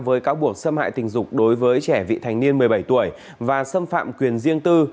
với cáo buộc xâm hại tình dục đối với trẻ vị thành niên một mươi bảy tuổi và xâm phạm quyền riêng tư